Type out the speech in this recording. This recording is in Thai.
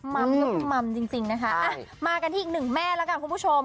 มัมยกมัมจริงนะคะมากันที่อีกหนึ่งแม่แล้วกันคุณผู้ชม